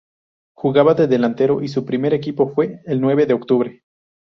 Jugaba de delantero y su primer equipo fue el Nueve de octubre.